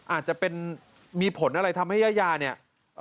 อาจจะเป็นมีผลอะไรทำให้ยายาเนี่ย